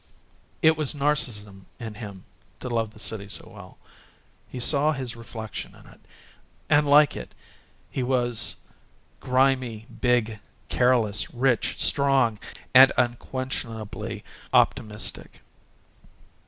It was Narcissism in him to love the city so well; he saw his reflection in it; and, like it, he was grimy, big, careless, rich, strong, and unquenchably optimistic.